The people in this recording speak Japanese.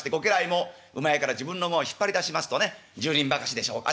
もうまやから自分の馬を引っ張り出しますとね１０人ばかしでしょうか